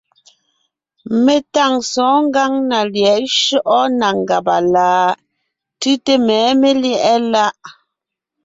Mé tâŋ sɔ̌ɔn ngǎŋ lyɛ̌ʼ shyɔ́ʼɔ na ngàba láʼ? Tʉ́te mɛ̌ melyɛ̌ʼ.